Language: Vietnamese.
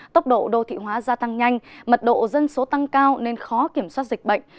tốc độ đô thị hóa gia tăng nhanh mật độ dân số tăng cao nên khó kiểm soát dịch bệnh